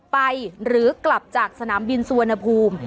ไปหรือกลับจากสนามบินสวนภูมิ